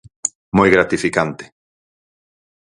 Moi gratificante.